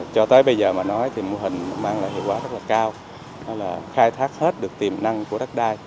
cho tới bây giờ mà nói thì mô hình mang lại hiệu quả rất là cao là khai thác hết được tiềm năng của đất đai